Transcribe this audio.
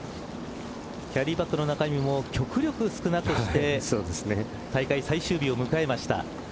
キャディーバックの中身も極力少なくして大会最終日を迎えました。